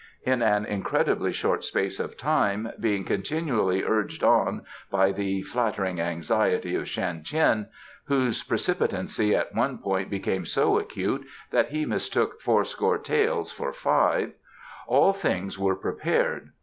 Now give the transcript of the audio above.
In an incredibly short space of time, being continually urged on by the flattering anxiety of Shan Tien (whose precipitancy at one point became so acute that he mistook fourscore taels for five), all things were prepared.